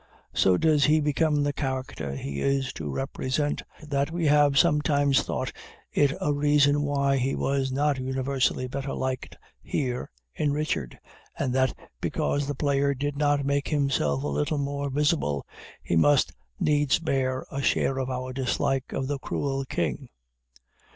So does he become the character he is to represent, that we have sometimes thought it a reason why he was not universally better liked here, in Richard; and that because the player did not make himself a little more visible, he must needs bear a share of our dislike of the cruel king.